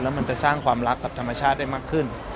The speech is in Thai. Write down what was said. แล้วมันจะสร้างความรักกับธรรมชาติได้มากขึ้น